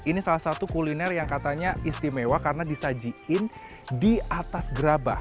ini salah satu kuliner yang katanya istimewa karena disajiin di atas gerabah